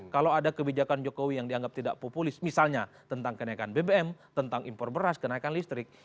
kalau ada kebijakan jokowi yang dianggap tidak populis misalnya tentang kenaikan bbm tentang impor beras kenaikan listrik